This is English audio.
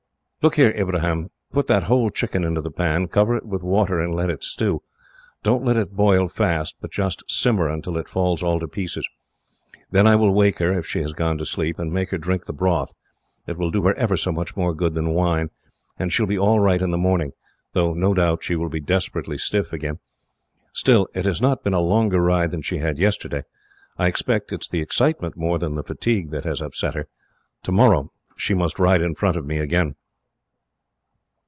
"Look here, Ibrahim, put that whole chicken into the pan, cover it with water, and let it stew. Don't let it boil fast, but just simmer until it falls all to pieces. Then I will wake her, if she has gone to sleep, and make her drink the broth. It will do her ever so much more good than wine, and she will be all right in the morning, though no doubt she will be desperately stiff again. Still, it has not been a longer ride than she had yesterday. I expect it is the excitement, more than the fatigue, that has upset her. Tomorrow she must ride in front of me, again."